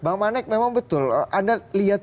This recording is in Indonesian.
bang manek memang betul anda lihat